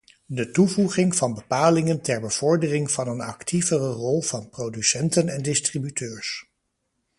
De toevoeging van bepalingen ter bevordering van een actievere rol van producenten en distributeurs.